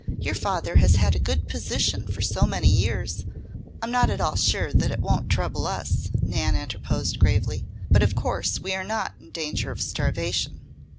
Your father has had a good position for so many years " "I'm not at all sure that it won't trouble us," Nan interposed gravely. "But of course we are not in danger of starvation."